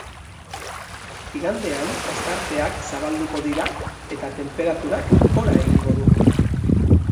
Igandean ostarteak zabalduko dira eta tenperaturak gora egingo du.